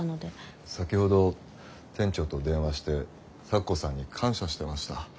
先ほど店長と電話して咲子さんに感謝してました。